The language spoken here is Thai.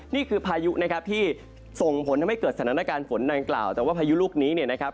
นี่คือพายุนะครับที่ส่งผลทำให้เกิดสถานการณ์ฝนดังกล่าวแต่ว่าพายุลูกนี้เนี่ยนะครับ